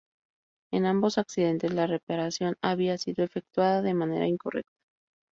En ambos accidentes, la reparación había sido efectuada de manera incorrecta.